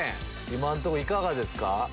今のとこいかがですか？